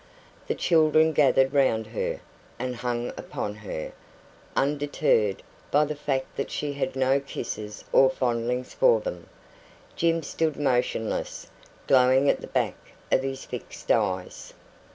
The children gathered round her, and hung upon her, undeterred by the fact that she had no kisses or fondlings for them. Jim stood motionless, glowing at the back of his fixed eyes.